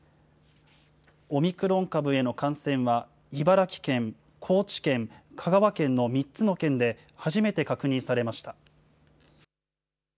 オミクロン株への感染は茨城県、高知県、香川県の３つの県で初めて確認されました。